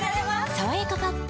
「さわやかパッド」